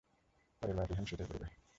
পরেরবার রেহান সেটাই করবে।